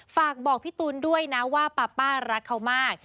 ฝากบอกพี่ตูนด้วยนะว่าป๊าป้ารักเขามาก